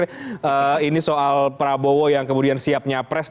tapi ini soal prabowo yang kemudian siap nyapres